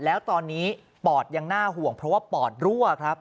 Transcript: แล้วตอนนี้ปอดยังน่าห่วงเพราะว่าปอดรั่วครับ